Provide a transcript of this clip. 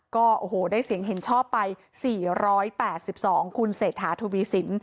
ก็โอ้โหได้เสียงเห็นชอบไป๔๘๒คุณเศรษฐาทวีสิน